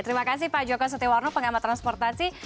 terima kasih pak joko setiawarno pengamat transportasi